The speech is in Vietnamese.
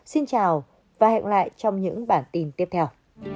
xin chào và hẹn gặp lại trong những bản tin tiếp theo